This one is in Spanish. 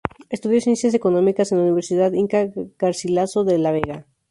Estudió Ciencias Económicas en la universidad Inca Garcilaso de la Vega.